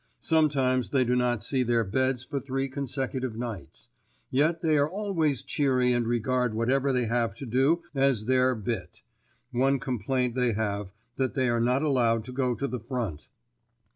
Sometimes they do not see their beds for three consecutive nights; yet they are always cheery and regard whatever they have to do as their "bit." One complaint they have, that they are not allowed to go to the front.